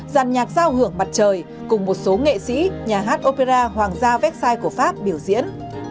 dàn nhạc giao hưởng mặt trời cùng một số nghệ sĩ nhà hát opera hoàng gia vét sai của pháp biểu diễn